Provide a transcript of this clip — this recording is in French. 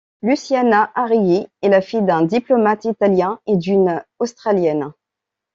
Luciana Arrighi est la fille d'un diplomate italien et d'une Australienne.